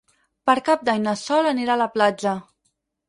Per Cap d'Any na Sol anirà a la platja.